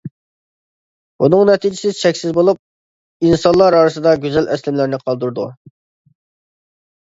بۇنىڭ نەتىجىسى چەكسىز بولۇپ، ئىنسانلار ئارىسىدا گۈزەل ئەسلىمىلەرنى قالدۇرىدۇ.